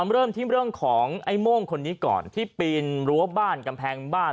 เริ่มที่เรื่องของไอ้โม่งคนนี้ก่อนที่ปีนรั้วบ้านกำแพงบ้าน